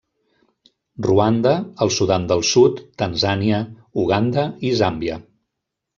Ruanda, el Sudan del Sud, Tanzània, Uganda i Zàmbia.